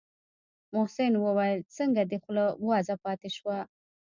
محسن وويل څنگه دې خوله وازه پاته شوه.